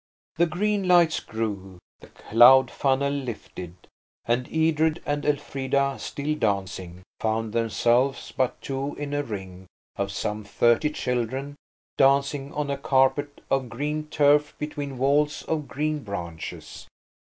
The green lights grew, the cloud funnel lifted. And Edred and Elfrida, still dancing, found themselves but two in a ring of some thirty children, dancing on a carpet of green turf between walls of green branches.